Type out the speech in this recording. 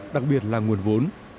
đặc biệt là nguồn vốn